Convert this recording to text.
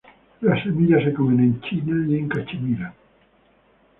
Las semillas se comen en China y Cachemira.